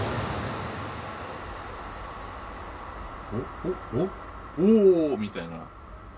おおおおみたいな。